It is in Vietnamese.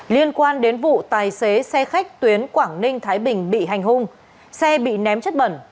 liên quan đến vụ tài xế xe khách tuyến quảng ninh thái bình bị hành hung xe bị ném chất bẩn